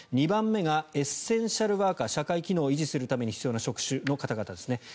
２番目がエッセンシャルワーカー社会機能を維持するために必要な職種の方々ですね。